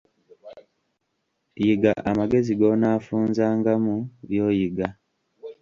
Yiga amagezi g'onaafunzangamu by'oyiga.